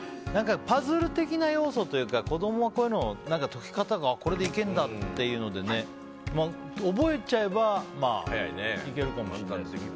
パズル的な要素というか子供はこういうの、解き方がこれでいけるんだっていうので覚えちゃえばいけるかもしれないけど。